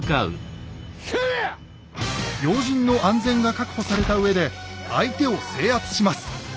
要人の安全が確保されたうえで相手を制圧します。